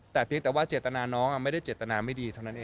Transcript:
แต่เพียงแต่ว่าเจตนาน้องไม่ได้เจตนาไม่ดีเท่านั้นเอง